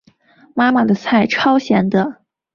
妈妈的菜超咸的